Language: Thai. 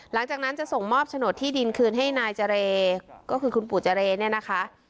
หลังจากนั้นจะส่งมอบโฉนดที่ดินคืนให้นายเจรก็คือคุณปู่เจรเนี่ยนะคะ